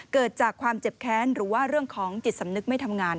เกิดจากความเจ็บแค้นหรือว่าเรื่องของจิตสำนึกไม่ทำงาน